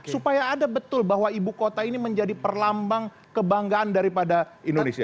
supaya ada betul bahwa ibu kota ini menjadi perlambang kebanggaan daripada indonesia